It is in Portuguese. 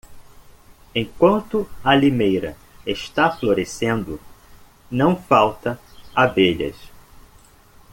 Enquanto a limeira está florescendo, não falta abelhas.